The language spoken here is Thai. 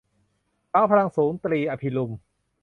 สาวพลังสูง - ตรี อภิรุม